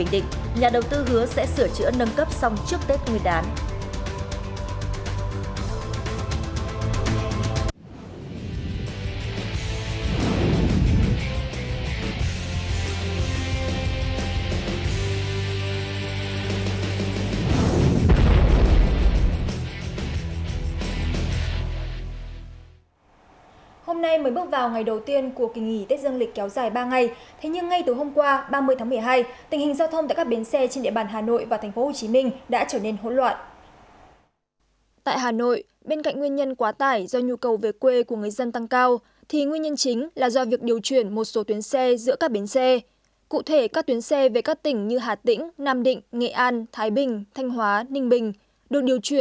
tình hình giao thông tại các biến xe trên địa bàn hà nội và tp hcm đã trở nên hỗn loạn trong ngày đầu ngày tết dương lịch